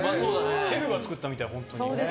シェフが作ったみたい。